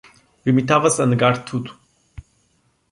Limitava-se a negar tudo.